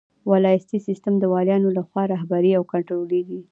ولایتي سیسټم د والیانو لخوا رهبري او کنټرولیږي.